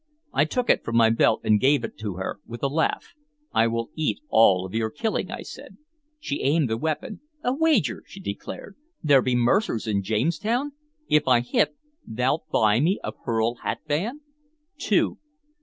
I took it from my belt and gave it to her, with a laugh. "I will eat all of your killing," I said. She aimed the weapon. "A wager!" she declared. "There be mercers in Jamestown? If I hit, thou 'lt buy me a pearl hatband?" "Two."